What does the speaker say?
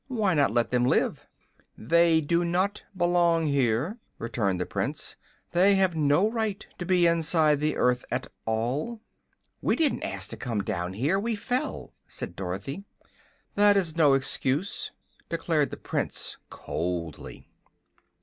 "Why not let them live?" "They do not belong here," returned the Prince. "They have no right to be inside the earth at all." "We didn't ask to come down here; we fell," said Dorothy. "That is no excuse," declared the Prince, coldly.